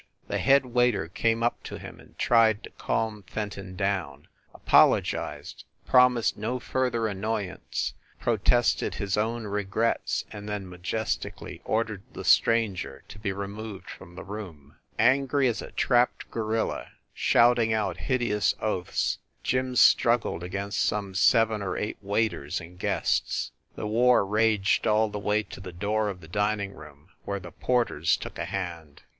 The head waiter came up to him and tried to calm Fenton down, apologized, promised no further annoyance, protested his own regrets, and then majestically ordered the stranger to be removed from the room. THE CAXTON DINING ROOM 167 Angry as a trapped gorilla, shouting out hideous oaths, Jim struggled against some seven or eight waiters and guests. The war raged all the way to the door of the dining room, where the porters took a hand.